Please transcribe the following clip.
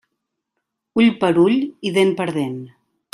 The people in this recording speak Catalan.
Ull per ull i dent per dent.